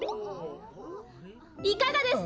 いかがですか？